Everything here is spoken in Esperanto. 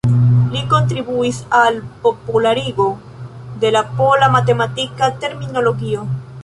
Li kontribuis al popularigo de la pola matematika terminologio.